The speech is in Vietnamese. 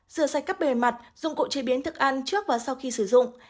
rửa sạch các bề mặt dụng cụ chế biến thức ăn trước và sau khi sử dụng